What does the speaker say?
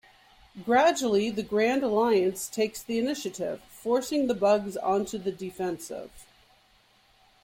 Gradually, the Grand Alliance takes the initiative, forcing the Bugs onto the defensive.